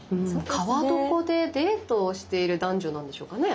川床でデートをしている男女なんでしょうかね。